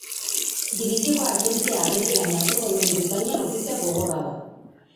Dibisioko agintea bere gain hartuko duen britainiar ofizial gogorra da.